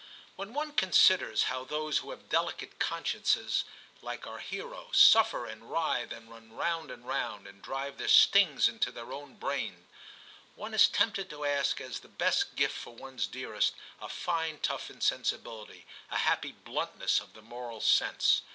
When one con siders how those who have delicate consciences like our hero, suffer and writhe, and run round and round, and drive their stings into their own brains, one is tempted to ask as the best gift for one's dearest, a fine tough insensibility, a happy bluntness of the moral sense.